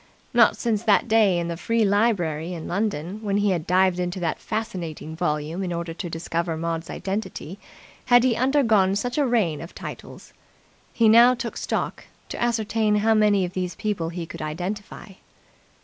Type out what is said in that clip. Not since that day in the free library in London, when he had dived into that fascinating volume in order to discover Maud's identity, had he undergone such a rain of titles. He now took stock, to ascertain how many of these people he could identify.